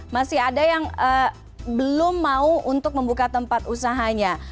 masih ada yang belum mau untuk membuka tempat usahanya